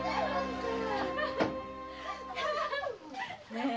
・ねえ